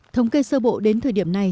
thống kê sơ bộ đến thời điểm này